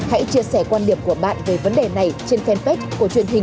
hãy chia sẻ quan điểm của bạn về vấn đề này trên fanpage của truyền hình công an nhân dân